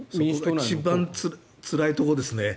一番つらいところですね。